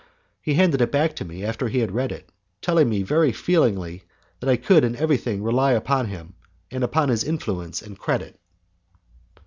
He handed it back to me after he had read it, telling me very feelingly that I could in everything rely upon him and upon his influence and credit.